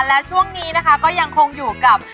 และช่วงนี้นะคะก็ยังคงอยู่กับ